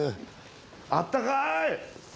あったかい！